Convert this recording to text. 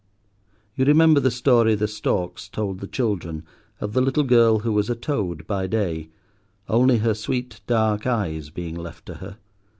You remember the story the storks told the children, of the little girl who was a toad by day, only her sweet dark eyes being left to her.